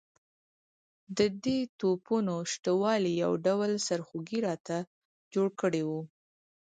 د دې توپونو شته والی یو ډول سرخوږی راته جوړ کړی وو.